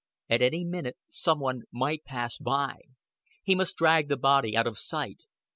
At any minute some one might pass by. He must drag the body out of sight.